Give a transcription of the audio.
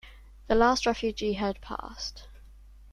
The last refugee had passed.